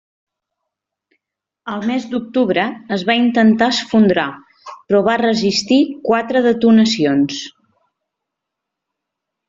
Al mes d'octubre es va intentar esfondrar, però va resistir quatre detonacions.